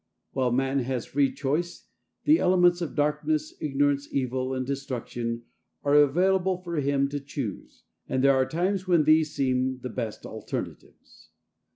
While man has free choice, the elements of darkness, ignorance, evil and destruction are available for him to choose, and there are times when these seem the best alternatives.